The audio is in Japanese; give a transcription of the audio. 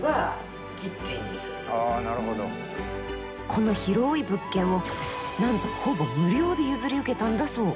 この広い物件をなんとほぼ無料で譲り受けたんだそう！